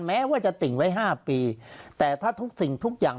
แม้ว่าจะติ่งไว้ห้าปีแต่ถ้าทุกสิ่งทุกอย่าง